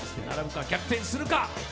並ぶか、逆転するか。